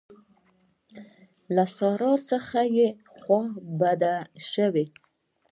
سارا راڅخه خوابدې شوه.